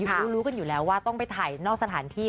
รู้รู้กันอยู่แล้วว่าต้องไปถ่ายนอกสถานที่